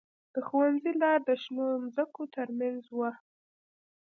د ښوونځي لاره د شنو ځمکو ترمنځ وه